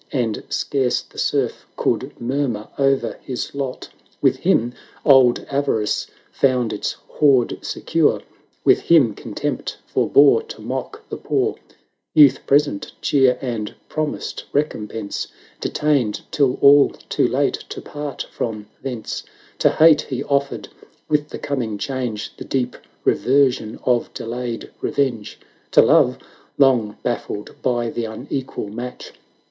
And scarce the Serf could murmur o'er his lot; With him old Avarice found its hoard secure. With him Contempt forbore to mock the poor; Youth present cheer and promised recompense Detained, till all too late to part from thence: 850 To Hate he offered, with the coming change. The deep reversion of delayed revenge; To Love, long baffled by the unequal match.